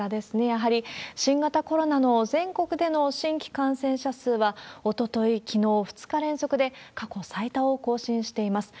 やはり新型コロナの全国での新規感染者数は、おととい、きのう、２日連続で過去最多を更新しています。